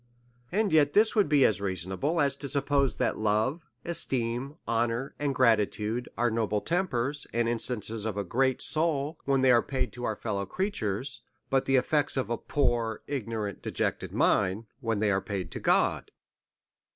And yet this would be as reasonable as to suppose that love, esteem, honour, and gratitude, are noble tempers, and instances of a great soul, when they are paid to our fellow creatures; but the effects of a poor, ignorant, dejected mind, when they are paid to God.